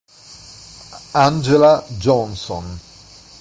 Angela Johnson